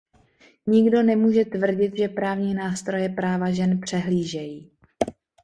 Nikdo nemůže tvrdit, že právní nástroje práva žen přehlížejí.